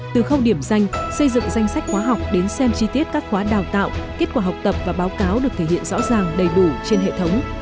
từ khâu điểm danh xây dựng danh sách khóa học đến xem chi tiết các khóa đào tạo kết quả học tập và báo cáo được thể hiện rõ ràng đầy đủ trên hệ thống